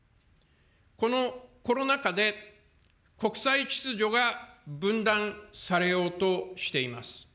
このコロナ禍で国際秩序が分断されようとしています。